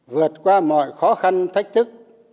vượt qua mọi khó khăn thách thức